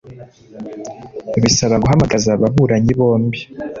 Bisaba guhamagaza ababuranyi bombi